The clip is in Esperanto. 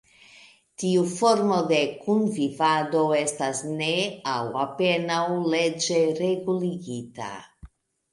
Tiu formo de kunvivado estas ne aŭ apenaŭ leĝe reguligita.